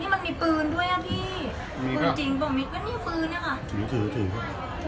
นี่มันมีปืนด้วยอ่ะพี่มีก็จริงปะมิตรว่านี่ปืนอ่ะค่ะถือถือ